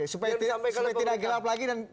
supaya tidak gelap lagi